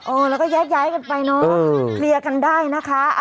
เราก็แยกย้ายกันไปเนอะเคลียร์กันได้นะคะ